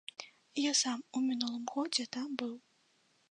Я сам у мінулым годзе там быў.